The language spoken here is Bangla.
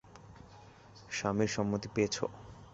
স্বামীর সম্মতি পেয়েছ?